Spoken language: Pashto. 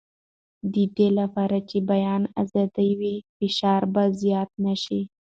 د دې لپاره چې بیان ازاد وي، فشار به زیات نه شي.